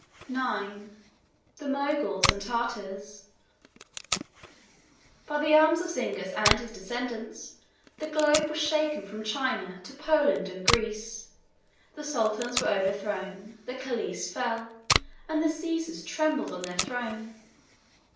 IX. The Moguls and Tartars. By the arms of Zingis and his descendants, the globe was shaken from China to Poland and Greece: the sultans were overthrown: the caliphs fell, and the Caesars trembled on their throne.